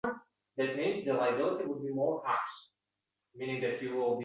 Goʻdakni tekshirishga kelgan shifokor yoʻrgakni ochib, uning ichida yotgan qoʻl telefonini topib oldi